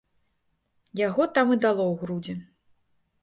Яго там і дало ў грудзі.